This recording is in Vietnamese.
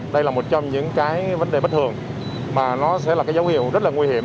đây là một trong những vấn đề bất thường mà nó sẽ là dấu hiệu rất là nguy hiểm